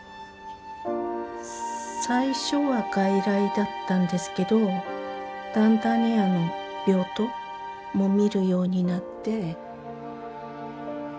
最初は外来だったんですけどだんだんにあの病棟も見るようになって。